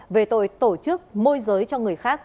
về tội tổ chức môi giới cho người khác